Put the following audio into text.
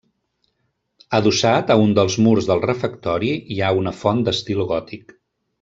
Adossat a un dels murs del refectori hi ha una font d'estil gòtic.